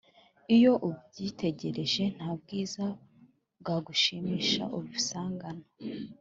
iyo ubyitegereje, nta bwiza bwagushimisha ubisangana